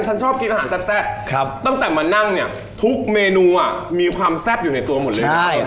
ฉันชอบกินอาหารแซ่บตั้งแต่มานั่งเนี่ยทุกเมนูอ่ะมีความแซ่บอยู่ในตัวหมดเลยใช่